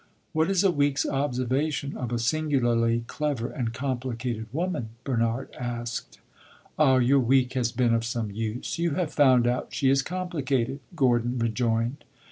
"What is a week's observation of a singularly clever and complicated woman?" Bernard asked. "Ah, your week has been of some use. You have found out she is complicated!" Gordon rejoined.